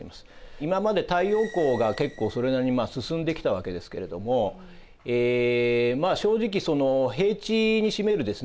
今まで太陽光が結構それなりに進んできたわけですけれども正直平地に占めるですね